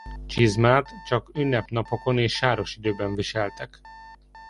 Csizmát csak ünnepnapokon és sáros időben viseltek.